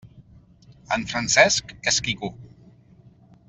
En Francesc és quico.